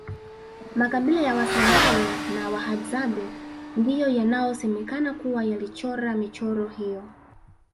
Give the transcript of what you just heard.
makabila ya wasandawe na wahadzabe ndiyo yanaosemekana kuwa yalichora michoro hiyo